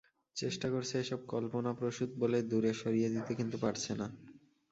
চেষ্টা করছে এসব কলপনাপ্রসূত বলে দূরে সরিয়ে দিতে, কিন্তু পারছে না।